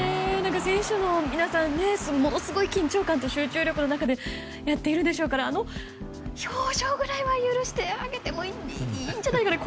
選手の皆さんものすごい緊張感と集中力の中でやっているでしょうからあの表情ぐらいは許してあげてもいいんじゃないかと。